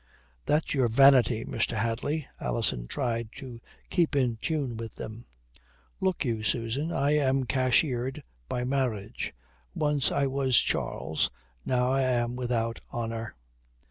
"That's your vanity, Mr. Hadley." Alison tried to keep in tune with them. "Look you, Susan, I am cashiered by marriage. Once I was Charles. Now I am without honour."